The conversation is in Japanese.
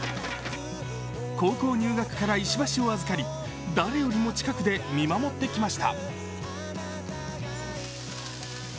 高校入学から石橋を預かり誰よりも近くで見守ってきました。